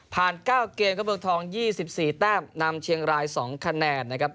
ผ่าน๙เกมก็เบื้องทอง๒๔แต้มนำเชียงราย๒คะแนนนะครับ